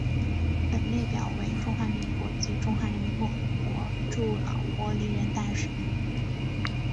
本列表为中华民国及中华人民共和国驻老挝历任大使名录。